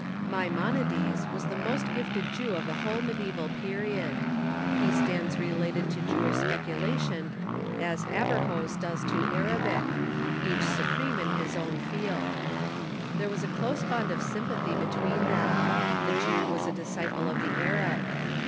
Maimonides was the most gifted Jew of the whole mediae val period. He stands related to Jewish speculation as Aver rhoes does to Arabic — each supreme in his own field. Maimonides „,,^■,, r t t i 1 here was a close bond or sympathy between them. The Jew was the disciple of the Arab.